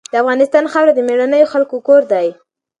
د افغانستان خاوره د مېړنیو خلکو کور دی.